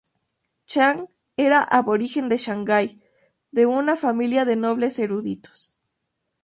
Chang era aborigen de Shanghái, de una "familia de nobles eruditos".